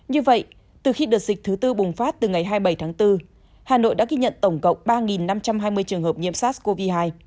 như vậy từ khi đợt dịch thứ tư bùng phát từ ngày hai mươi bảy tháng bốn hà nội đã ghi nhận tổng cộng ba năm trăm hai mươi trường hợp nhiễm sars cov hai